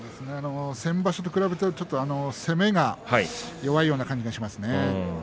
先場所と比べても攻めが少し弱いような感じがしますね。